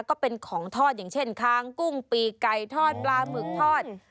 ก็เป็นของทอดอย่างเช่นค้างกุ้งปีกไก่ทอดปลาหมึกทอด